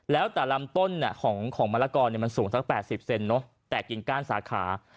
แล้วแต่ลำต้นของมะละกอมันสูงสัก๘๐เซนเนอะแต่กินก้านสาขา